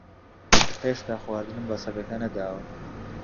ھێشتا خواردنم بە سەگەکە نەداوە.